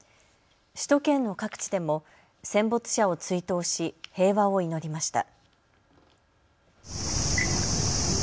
首都圏の各地でも戦没者を追悼し平和を祈りました。